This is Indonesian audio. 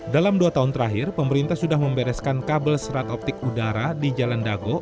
dalam dua tahun terakhir pemerintah sudah membereskan kabel serat optik udara di jalan dago